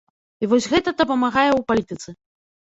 І вось гэта дапамагае ў палітыцы.